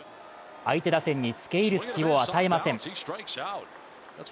相手打線に付け入る隙を与えません。